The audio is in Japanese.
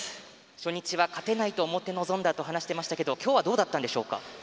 初日は勝てないと思って臨んだと話していましたけど、今日はどうだったんでしょうか？